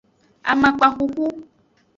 Amakpa xuxu.